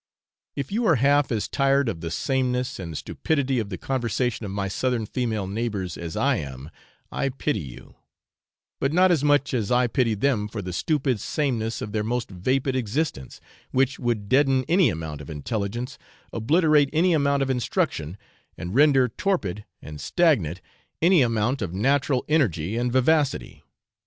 If you are half as tired of the sameness and stupidity of the conversation of my southern female neighbours as I am, I pity you; but not as much as I pity them for the stupid sameness of their most vapid existence, which would deaden any amount of intelligence, obliterate any amount of instruction, and render torpid and stagnant any amount of natural energy and vivacity.